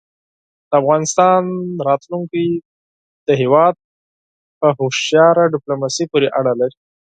د افغانستان راتلونکی د هېواد په هوښیاره دیپلوماسۍ پورې اړه لري.